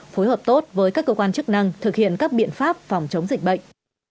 phối hợp tốt với các cơ quan chức năng thực hiện các biện pháp phòng chống dịch bệnh